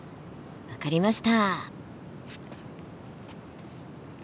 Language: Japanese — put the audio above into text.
分かりました。